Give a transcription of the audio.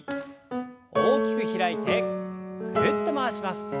大きく開いてぐるっと回します。